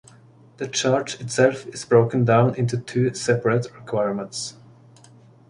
The charge itself is broken down into two separate requirements.